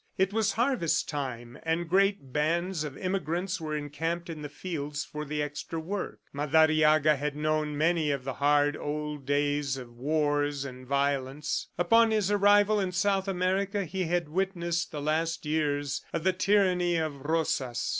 It was harvest time, and great bands of immigrants were encamped in the fields for the extra work. Madariaga had known many of the hard old days of wars and violence. Upon his arrival in South America, he had witnessed the last years of the tyranny of Rosas.